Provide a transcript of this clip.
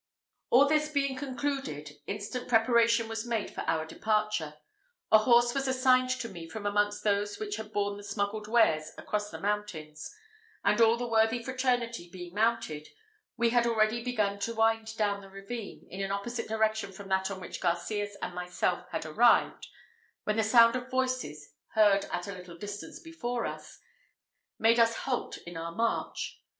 All this being concluded, instant preparation was made for our departure. A horse was assigned to me from amongst those which had borne the smuggled wares across the mountains; and all the worthy fraternity being mounted, we had already begun to wind down the ravine, in an opposite direction from that on which Garcias and myself had arrived, when the sound of voices, heard at a little distance before us, made us halt in our march.